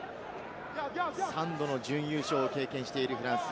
３度の準優勝を経験しているフランス。